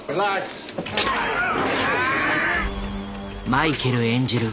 マイケル演じる